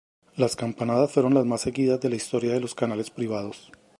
Las campanadas fueron las más seguidas de la historia de los canales privados.